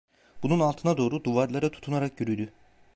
Bunun altına doğru, duvarlara tutunarak yürüdü.